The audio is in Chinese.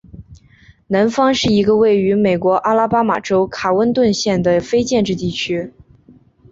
南方是一个位于美国阿拉巴马州卡温顿县的非建制地区。